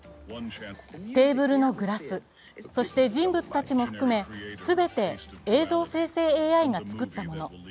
テーブルのグラス、そして人物たちも含め全て映像生成ＡＩが作ったもの。